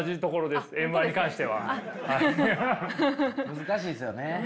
難しいですよね。